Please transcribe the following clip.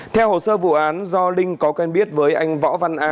theo hồ sơ vụ án do linh có quen biết với anh võ văn a